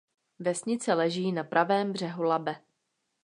Vesnice leží na pravém břehu Labe.